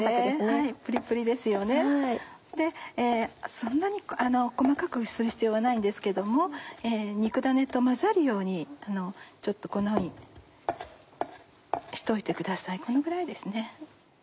そんなに細かくする必要はないんですけども肉だねと混ざるようにちょっとこんなふうにしておいてくださいこのぐらいですね。